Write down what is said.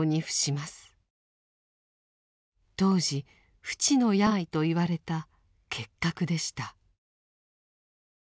当時不治の病といわれた結核でした。